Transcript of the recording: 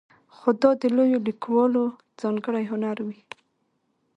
خو دا د لویو لیکوالو ځانګړی هنر وي.